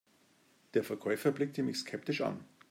Der Verkäufer blickte mich skeptisch an.